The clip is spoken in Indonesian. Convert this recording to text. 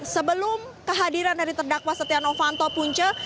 sebelum kehadiran dari terdakwa setia novanto punca